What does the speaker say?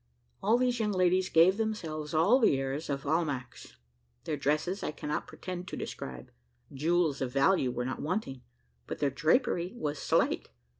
All these young ladies gave themselves all the airs of Almack's. Their dresses I cannot pretend to describe jewels of value were not wanting, but their drapery was slight.